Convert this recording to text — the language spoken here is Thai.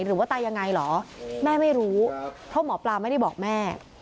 หรือว่าตายยังไงเหรอแม่ไม่รู้เพราะหมอปลาไม่ได้บอกแม่